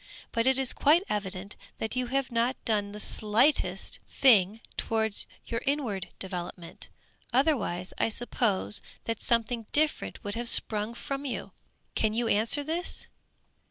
But it is quite evident, that you have not done the slightest thing towards your inward developement; otherwise I suppose that something different would have sprung from you. Can you answer this?